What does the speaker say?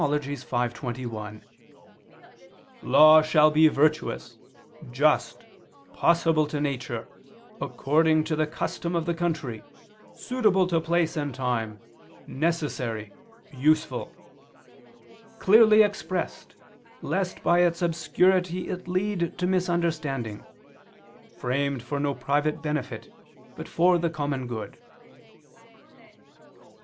v, 21): "Law shall be virtuous, just, possible to nature, according to the custom of the country, suitable to place and time, necessary, useful; clearly expressed, lest by its obscurity it lead to misunderstanding; framed for no private benefit, but for the common good."